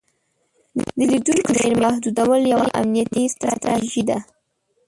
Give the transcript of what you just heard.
د لیدونکو شمیر محدودول یوه امنیتي ستراتیژي ده.